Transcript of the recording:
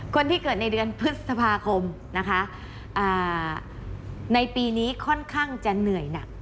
คนที่เกิดในเดือนพฤษภาคมนะคะในปีนี้ค่อนข้างจะเหนื่อยหนัก